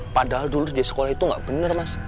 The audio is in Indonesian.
padahal dulu di sekolah itu gak bener mas